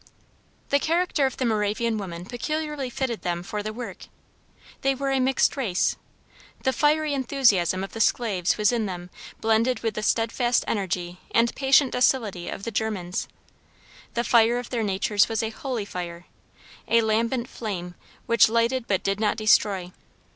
The character of the Moravian women peculiarly fitted them for the work. They were a mixed race. The fiery enthusiasm of the Sclaves was in them blended with the steadfast energy and patient docility of the Germans. The fire of their natures was a holy fire a lambent flame which lighted but did not destroy.